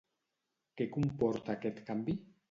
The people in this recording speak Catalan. Què comporta aquest canvi?